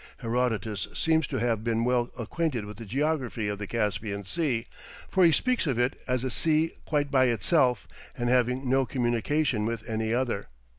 Herodotus seems to have been well acquainted with the geography of the Caspian Sea, for he speaks of it as a Sea "quite by itself" and having no communication with any other.